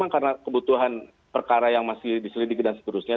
karena kebutuhan perkara yang masih diselidiki dan seterusnya